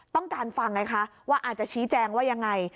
ต้องการฟังไงคะว่าอาจจะชี้แจงว่ายังไง